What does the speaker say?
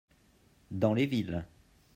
Dans les villes.